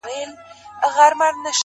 o لكه د دوو جنـــــــگ ـ